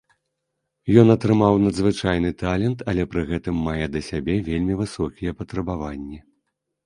Ён атрымаў надзвычайны талент, але пры гэтым мае да сябе вельмі высокія патрабаванні.